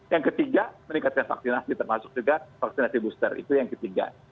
yang ketiga meningkatkan vaksinasi termasuk juga vaksinasi booster itu yang ketiga